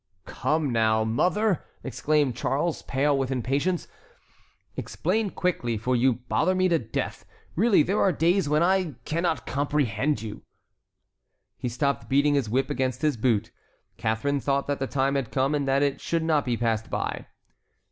"Come now, mother!" exclaimed Charles, pale with impatience, "explain quickly, for you bother me to death. Really, there are days when I cannot comprehend you." He stopped beating his whip against his boot. Catharine thought that the time had come and that it should not be passed by.